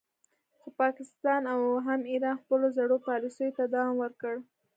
خو پاکستان او هم ایران خپلو زړو پالیسیو ته دوام ورکړ